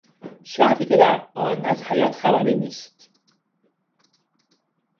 شهری که در آن از حیات خبری نیست.